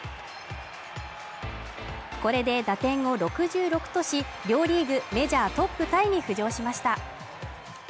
これで打点を６６とし、両リーグメジャートップタイに浮上しました。